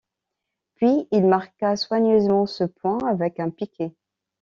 Puis il marqua soigneusement ce point avec un piquet.